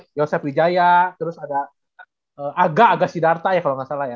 si yosef wijaya terus ada aga aga siddhartha ya kalo gak salah ya